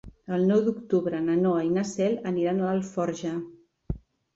El nou d'octubre na Noa i na Cel aniran a Alforja.